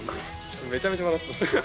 めちゃめちゃ笑ってた。